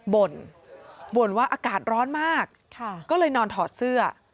บ่นว่าอากาศร้อนมากก็เลยนอนถอดเสื้อ